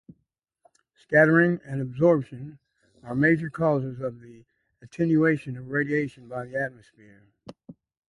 Scattering and absorption are major causes of the attenuation of radiation by the atmosphere.